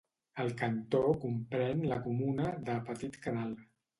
El cantó comprèn la comuna de Petit-Canal.